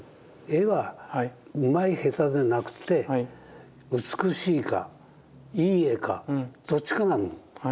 絵はうまい下手でなくて美しいかいい絵かどっちかなの。